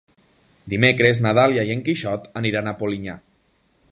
Dimecres na Dàlia i en Quixot aniran a Polinyà.